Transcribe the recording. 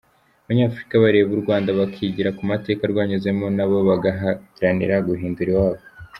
Abanyafurika bareba u Rwanda bakigira ku mateka rwanyuzemo n’abo bagaharanira guhindura iwabo.